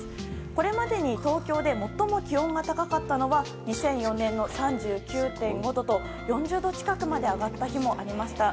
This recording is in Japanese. これまでに東京で最も気温が高くなったのは２００４年の３９．５度と４０度近くまで上がった日もありました。